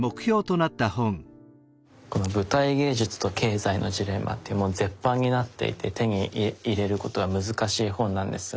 この「舞台芸術と経済のジレンマ」っていうもう絶版になっていて手に入れることは難しい本なんですが。